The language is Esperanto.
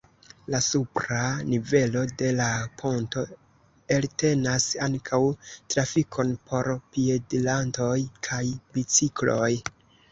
La supra nivelo de la ponto eltenas ankaŭ trafikon por piedirantoj kaj bicikloj.